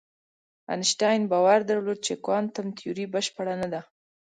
انشتین باور درلود چې کوانتم تیوري بشپړه نه ده.